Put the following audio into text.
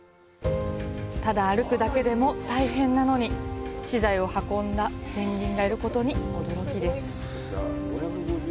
ただ歩くだけでも大変なのに、資材を運んだ先人がいることに驚きです。